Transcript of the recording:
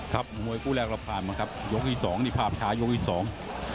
มวยคู่แรกเราผ่านมาครับยกที่สองนี่ภาพช้ายกที่สอง